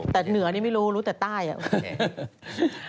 แต่เหนือนี่ไม่รู้รู้แต่ใต้อ่ะโอเค